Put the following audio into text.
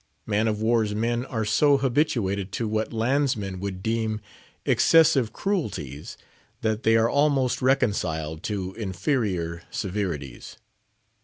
Man of war's men are so habituated to what landsmen would deem excessive cruelties, that they are almost reconciled to inferior severities.